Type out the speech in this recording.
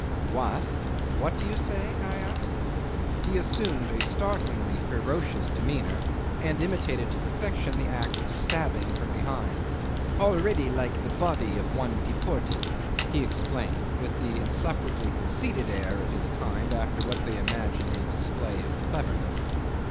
"What? What do you say?" I asked. He assumed a startlingly ferocious demeanour, and imitated to perfection the act of stabbing from behind. "Already like the body of one deported," he explained, with the insufferably conceited air of his kind after what they imagine a display of cleverness.